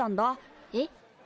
えっ？